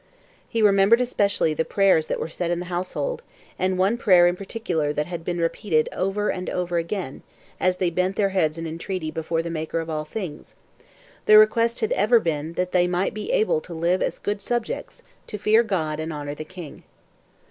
He remembered especially the prayers that were said in the household, and one prayer in particular that had been repeated over and over again; as they bent their heads in entreaty before the Maker of all things, the request had ever been 'that they might be able to live as good subjects, to fear God and honour the King.'